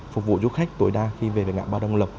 phục vụ du khách tối đa khi về được ngã ba đồng lộc